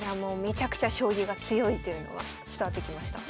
めちゃくちゃ将棋が強いというのが伝わってきました。